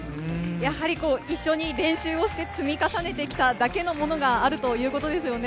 やはり一緒に練習をして積み重ねてきただけのものがあるということですよね。